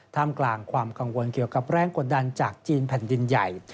ท่ามกลางความกังวลเกี่ยวกับแรงกดดันจากจีนแผ่นดินใหญ่